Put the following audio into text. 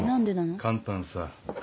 簡単さ。